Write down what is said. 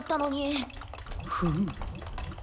フム。